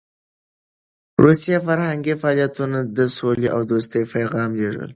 روسي فرهنګي فعالیتونه د سولې او دوستۍ پیغام لېږل.